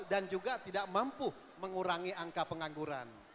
dan juga tidak mampu mengurangi angka pengangguran